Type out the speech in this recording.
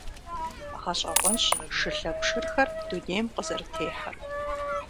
Гъэщӏэгъуэнщ шылъэгу шырхэр дунейм къызэрытехьэр.